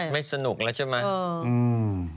ไม่สนุกแล้วใช่ไหม